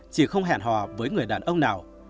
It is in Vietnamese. chị không hẹn hòa với người đàn ông nào